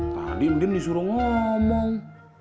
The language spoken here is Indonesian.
tadi mending disuruh ngomong